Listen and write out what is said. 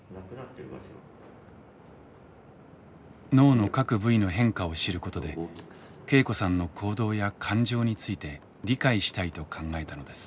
脳の各部位の変化を知ることで恵子さんの行動や感情について理解したいと考えたのです。